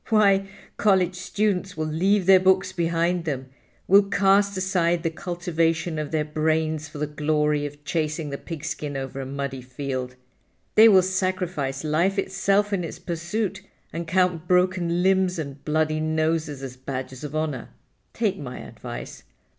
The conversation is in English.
Why, college students will leave their books behind them, will cast aside the cultivation of their brains for the glory of chasing the pigskin over a muddy field. They will sacrifice life itself in its pursuit and count broken limbs and bloody noses as badges of honor. Take my advice.